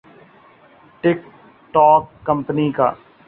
ٹک ٹوک کمپنی کا